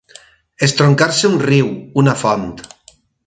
Estroncar-se un riu, una font.